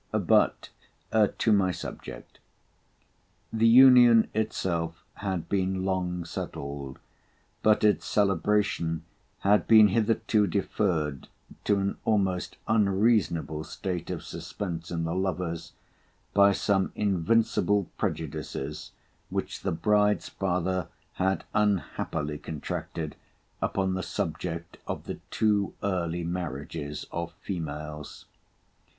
But to my subject.— The union itself had been long settled, but its celebration had been hitherto deferred, to an almost unreasonable state of suspense in the lovers, by some invincible prejudices which the bride's father had unhappily contracted upon the subject of the too early marriages of females.